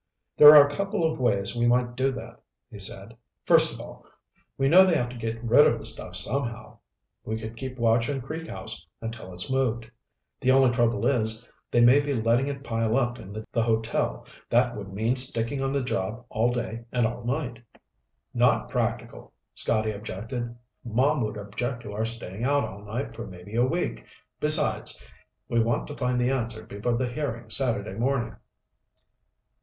"There are a couple of ways we might do that," he said. "First of all, we know they have to get rid of the stuff somehow. We could keep watch on Creek House until it's moved. The only trouble is, they may be letting it pile up in the hotel. That would mean sticking on the job all day and all night." "Not practical," Scotty objected. "Mom would object to our staying out all night for maybe a week. Besides, we want to find the answer before the hearing Saturday morning."